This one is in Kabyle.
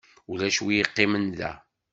Ulac wi yeqqimen da.